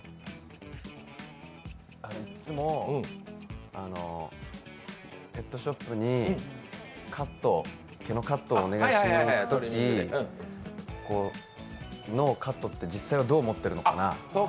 いつもペットショップに毛のカットをお願いしにいくときのカットって実際はどう思ってるのかな？